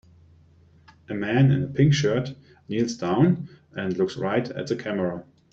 A man in a pink shirt kneels down and looks right at the camera.